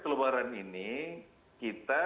telebaran ini kita